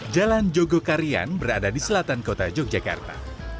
jalan jogokarian berada di selatan kota yogyakarta